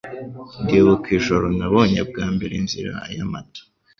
Ndibuka ijoro nabonye bwa mbere Inzira y'Amata